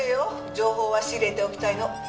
情報は仕入れておきたいの。